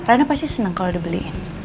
reina pasti seneng kalau dibeliin